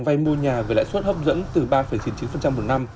vay mua nhà với lãi suất hấp dẫn từ ba chín mươi chín một năm